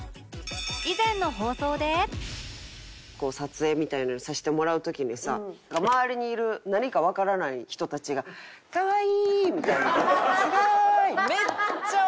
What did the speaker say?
撮影みたいなのをさせてもらう時にさ周りにいる何かわからない人たちが「かわいい」みたいな「すごい」。